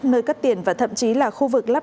nơi cất tiền và thậm chí là khu vực này